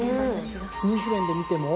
人気面で見ても。